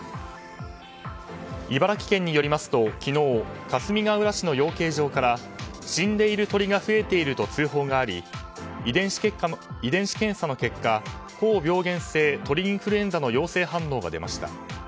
茨城県によりますと、昨日かすみがうら市の養鶏場から死んでいる鳥が増えていると通報があり遺伝子検査の結果高病原性鳥インフルエンザの陽性反応が出ました。